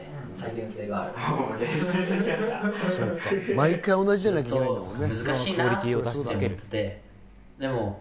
毎回、同じじゃなきゃいけないんだもんね。